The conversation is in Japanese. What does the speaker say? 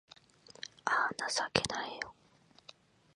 あぁ、情けないよ